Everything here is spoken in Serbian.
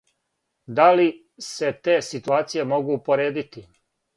Да ли се те ситуације могу упоредити?